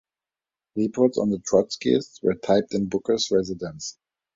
Reports on the Trotskyists were typed in Booker's residence.